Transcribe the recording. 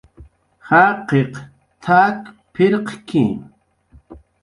"Jaqiq t""ak pirqki"